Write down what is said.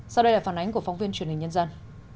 sau đây là phản ánh của phóng viên truyền hình nhân dân